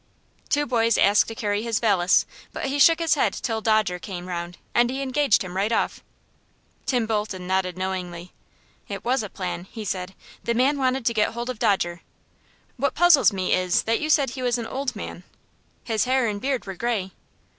Two boys asked to carry his valise, but he shook his head till Dodger came round, and he engaged him right off." Tim Bolton nodded knowingly. "It was a plan," he said. "The man wanted to get hold of Dodger. What puzzles me is, that you said he was an old man." "His hair and beard were gray."